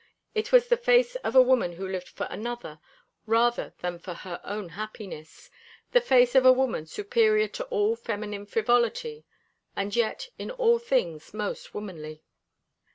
It was the face of a woman who lived for another rather than for her own happiness; the face of a woman superior to all feminine frivolity, and yet in all things most womanly.